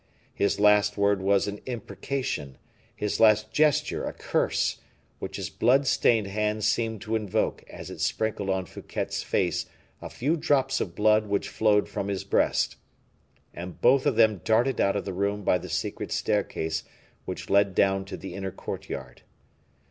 His last word was an imprecation, his last gesture a curse, which his blood stained hand seemed to invoke, as it sprinkled on Fouquet's face a few drops of blood which flowed from his breast. And both of them darted out of the room by the secret staircase which led down to the inner courtyard.